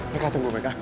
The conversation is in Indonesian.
meka tunggu meka